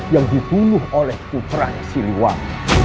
yang dibunuh oleh putra si liwan